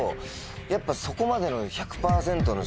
やっぱそこまでの。